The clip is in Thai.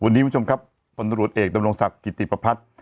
วันนี้คุณผู้ชมครับพลตรวจเอกตำรงศัพท์กิตติปภัทร